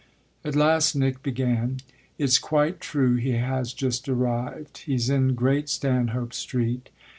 At last Nick began: "It's quite true he has just arrived; he's in Great Stanhope Street.